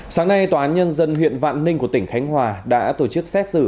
sáng nay tòa án nhân dân huyện vạn ninh của tỉnh khánh hòa đã tổ chức xét xử